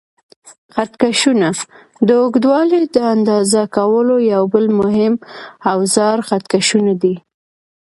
خط کشونه: د اوږدوالي د اندازه کولو یو بل مهم اوزار خط کشونه دي.